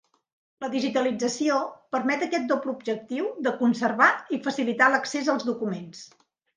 La digitalització permet aquest doble objectiu de conservar i facilitar l’accés als documents.